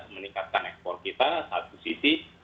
meningkatkan ekspor kita satu sisi